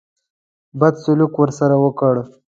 بد سلوک ورسره وکړ.